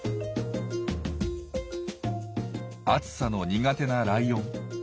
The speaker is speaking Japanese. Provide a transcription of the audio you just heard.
暑さの苦手なライオン。